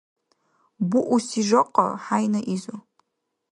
Бууси жакъа хӀяйна изу.